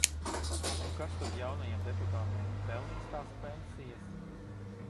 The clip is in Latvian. Un kas tad jaunajiem deputātiem pelnīs tās pensijas?